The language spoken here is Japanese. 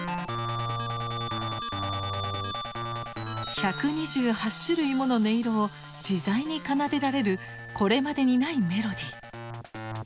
１２８種類もの音色を自在に奏でられるこれまでにないメロディー。